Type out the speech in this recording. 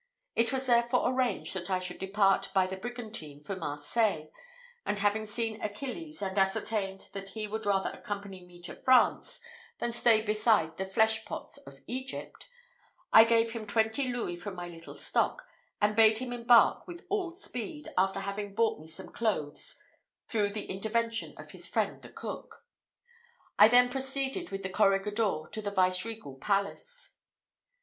It was therefore arranged that I should depart by the brigantine for Marseilles; and having seen Achilles, and ascertained that he would rather accompany me to France than stay beside the flesh pots of Egypt, I gave him twenty louis from my little stock, and bade him embark with all speed, after having bought me some clothes, through the intervention of his friend the cook. I then proceeded with the corregidor to the viceregal palace.